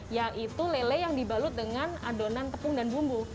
yaitu lele yang dibalut dengan adonan tepung dan bumbu